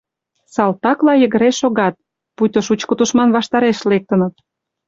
Салтакла йыгыре шогат, пуйто шучко тушман ваштареш лектыныт.